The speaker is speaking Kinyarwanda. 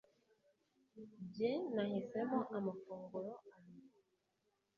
Jye nahisemo amafunguro abiri